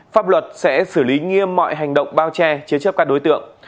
pháp luật sẽ xử lý nghiêm mọi hành động bao che chế chấp các đối tượng